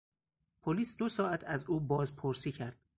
پلیس دو ساعت از او بازپرسی کرد.